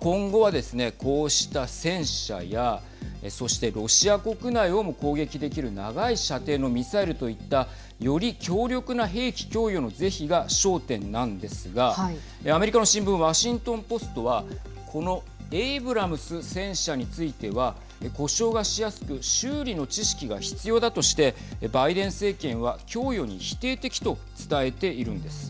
今後はですね、こうした戦車やそしてロシア国内をも攻撃できる長い射程のミサイルといったより強力な兵器供与の是非が焦点なんですがアメリカの新聞ワシントン・ポストはこのエイブラムス戦車については故障がしやすく修理の知識が必要だとしてバイデン政権は供与に否定的と伝えているんです。